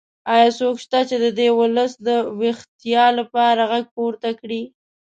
ایا څوک شته چې د دې ولس د ویښتیا لپاره غږ پورته کړي؟